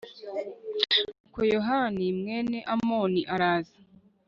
Nuko Yohanani mwene Amoni araza